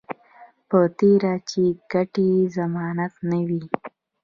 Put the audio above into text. په تېره چې ګټې ضمانت نه وي